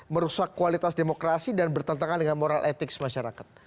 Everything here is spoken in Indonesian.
merusak kualitas demokrasi dan bertentangan dengan moral etik masyarakat